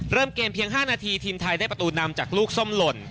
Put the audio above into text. เริ่มเกมเพียง๕นาทีทีมไทยได้ประตูนำจากลูกส้มหล่น